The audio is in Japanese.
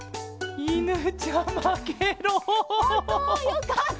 よかった。